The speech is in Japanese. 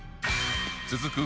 続く